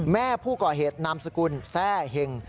แม่ผู้ก่อเหตุนามสกุลแทร่เห็ง